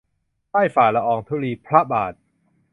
ใต้ฝ่าละอองธุลีพระบาท